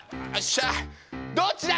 どっちだ！